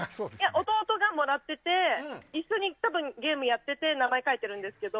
弟がもらってて一緒にゲームをやってて名前を書いてるんですけど。